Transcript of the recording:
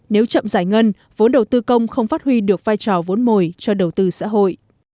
nếu chậm giải ngân vốn đầu tư công không phát huy được vai trò vốn mồi cho đầu tư xã hội